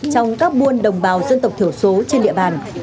trong các buôn đồng bào dân tộc thiểu số trên địa bàn